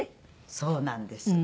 そうなんです。